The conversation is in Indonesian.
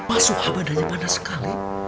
mas suha badannya panas sekali